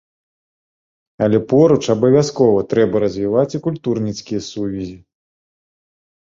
Але поруч абавязкова трэба развіваць і культурніцкія сувязі.